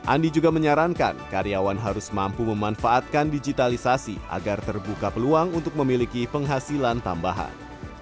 andi juga menyarankan karyawan harus mampu memanfaatkan digitalisasi agar terbuka peluang untuk memiliki penghasilan tambahan